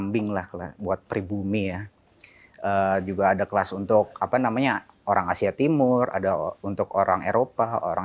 kambing lah buat pribumi ya juga ada kelas untuk apa namanya orang asia timur ada untuk orang eropa orang